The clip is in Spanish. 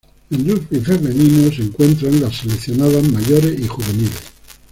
En rugby femenino se encuentras los seleccionados Mayores y Juveniles.